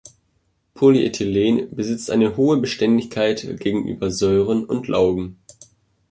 Polyethylen besitzt eine hohe Beständigkeit gegenüber Säuren und Laugen.